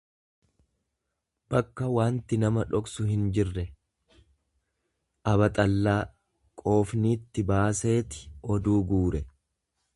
bakka waanti nama dhoksu hin jirre, abaxallaa; Qoofniitti baaseeti oduu guure.